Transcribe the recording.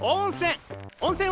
温泉！